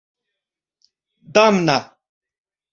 damna